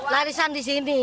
larisan di sini